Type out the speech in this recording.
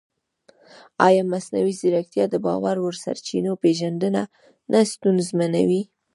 ایا مصنوعي ځیرکتیا د باور وړ سرچینو پېژندنه نه ستونزمنوي؟